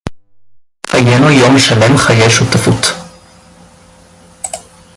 חַיֵּינוּ יוֹם שָׁלֵם חַיֵּי שֻׁותָּפוּת.